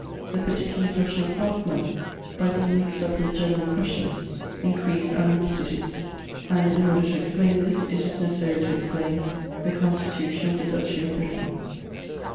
The particular question of hearth money^ by being mixed up with general questions, increased animosities: and in order to explain this, it is necessary to explain the Constitution of the Duchy of Brittany.